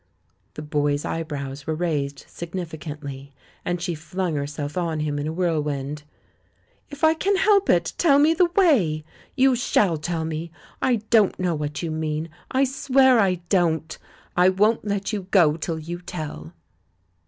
The boy's eyebrows were raised significantly, and she flung herself on him in a whirlwind. "If I can help it, tell me the way! You shall tell me. I don't know what you mean — I swear I don't. I won't let you go till you tell."